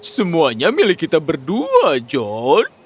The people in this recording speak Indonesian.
semuanya milik kita berdua john